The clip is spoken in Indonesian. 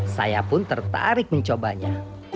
saya pun tertarik mencobanya